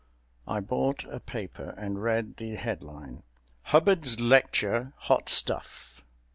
I bought a paper and read the headline, "Hubbard's Lecture Hot Stuff!"